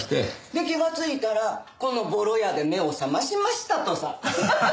で気がついたらこのボロ屋で目を覚ましましたとさ。